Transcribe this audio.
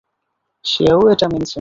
সেও এটা মেনেছে।